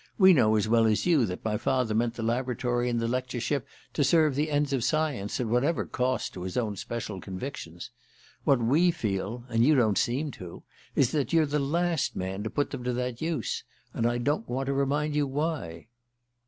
We know as well as you that my father meant the laboratory and the lectureship to serve the ends of science, at whatever cost to his own special convictions; what we feel and you don't seem to is that you're the last man to put them to that use; and I don't want to remind you why."